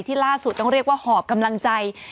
ล่าสุดต้องเรียกว่าหอบกำลังใจ